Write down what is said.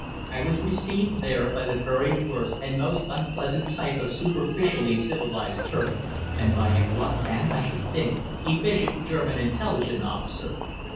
I was received there by the very worst and most unpleasant type of superficially civilized Turk, and by a gruff and, I should think, efficient German intelligence officer.